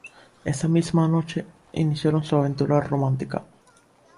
Esa misma noche iniciaron su aventura romántica.